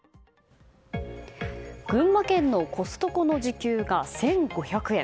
群馬県のコストコの時給が１５００円。